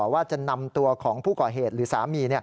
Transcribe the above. ว่าจะนำตัวของผู้ก่อเหตุหรือสามี